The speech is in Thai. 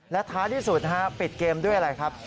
และท้ายที่สุดปิดเกมด้วยอะไรครับ